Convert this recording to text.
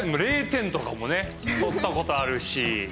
０点とかもねとったことあるし。